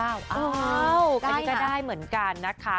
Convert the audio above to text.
อาวแย็ดก็ได้เหมือนกันนะคะ